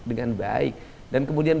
dengan baik dan kemudian